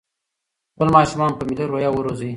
خپل ماشومان په ملي روحيه وروزئ.